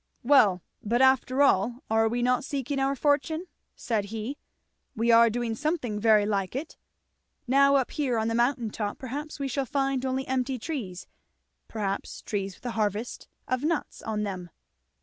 "Well, but after all are we not seeking our fortune?" said he. "We are doing something very like it. Now up here on the mountain top perhaps we shall find only empty trees perhaps trees with a harvest of nuts on them."